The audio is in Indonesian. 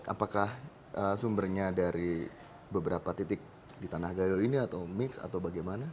apakah sumbernya dari beberapa titik di tanah gayo ini atau mix atau bagaimana